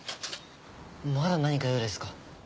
まだ何か用ですか？